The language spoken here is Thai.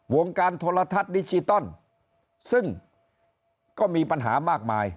วงการโทรทัศน์ดิจิตอลซึ่งก็มีปัญหามากมาย